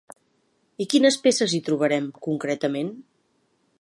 I quines peces hi trobarem, concretament?